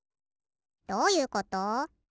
どういうこと？